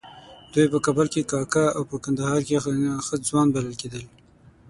دوی په کابل کې کاکه او په کندهار کې ښه ځوان بلل کېدل.